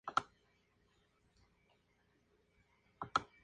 Él es el hijo medio de tres hijos.